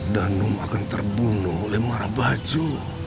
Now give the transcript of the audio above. danong akan terbunuh oleh marabaco